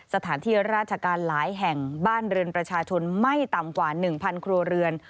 สถานที่ราชการหลายแห่งบ้านเรือนประชาชนไม่ต่ำกว่า๑๐๐ครัวเรือน